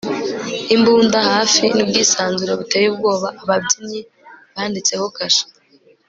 imbunda hafi nubwisanzure buteye ubwoba. ababyinnyi banditseho kashe